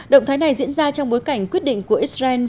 động thái này diễn ra trong bối cảnh quyết định của israel